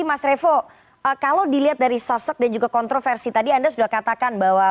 mas revo kalau dilihat dari sosok dan juga kontroversi tadi anda sudah katakan bahwa